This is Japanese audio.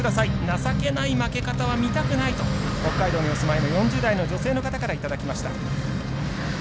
情けない負け方は見たくないと北海道のお住まいの４０代の女性の方からいただきました。